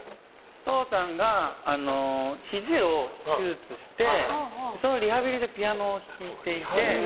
お父さんがひじを手術してそのリハビリでピアノを弾いていて。